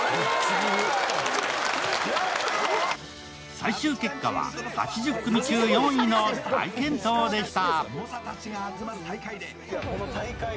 最終結果は８０組中４位の大健闘でした。